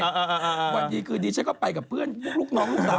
วันดีคืนดีฉันก็ไปกับเพื่อนลูกน้องลูกสาว